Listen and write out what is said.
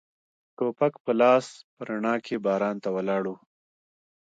ټوپک په لاس په رڼا کې باران ته ولاړ و.